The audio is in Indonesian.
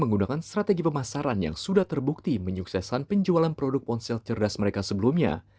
menggunakan strategi pemasaran yang sudah terbukti menyukseskan penjualan produk one sale cerdas mereka sebelumnya